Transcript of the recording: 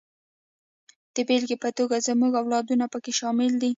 د بېلګې په توګه زموږ اولادونه پکې شامل دي.